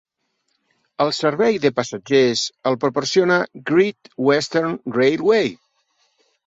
El servei de passatgers el proporciona Great Western Railway.